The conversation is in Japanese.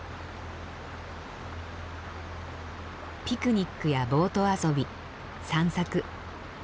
ピクニックやボート遊び散策。